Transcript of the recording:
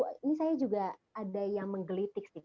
ini saya juga ada yang menggelitik sih